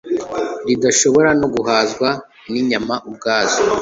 ridashobora no guhazwa ninyama ubwazo